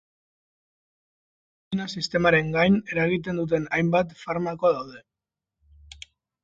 Dopamina sistemaren gain eragiten duten hainbat farmako daude.